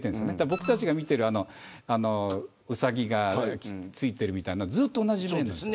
僕たちが見ているウサギがついているみたいなずっと同じ面です。